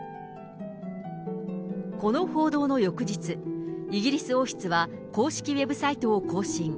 この報道の翌日、イギリス王室は公式ウェブサイトを更新。